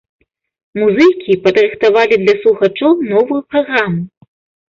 Музыкі падрыхтавалі для слухачоў новую праграму.